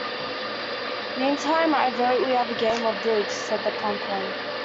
“Meantime I vote we have a game of bridge,” said the plump one.